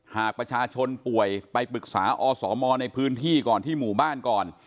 หากประชาชนป่วยไปปรึกษาอสมในพื้นที่ก่อนที่หมู่บ้านก่อน